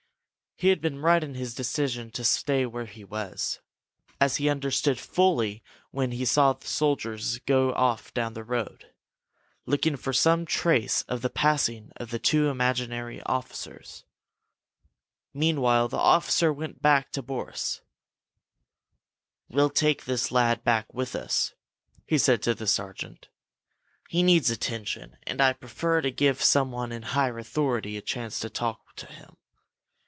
He had been right in his decision to stay where he was, as he understood fully when he saw the soldiers go off down the road, looking for some trace of the passing of the two imaginary officers. Meanwhile the officer went back to Boris. "We'll take this lad back with us," he said to the sergeant. "He needs attention, and I prefer to give someone in higher authority a chance to talk to him.